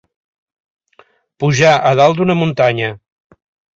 Pujar a dalt d'una muntanya.